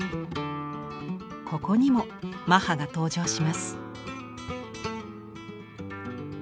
ここにも「マハ」が登場します。